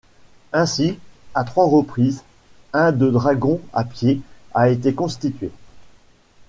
Ainsi, à trois reprises, un de dragons à pied a été constitué.